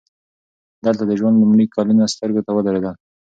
دلته د ژوند لومړي کلونه سترګو ته ودرېدل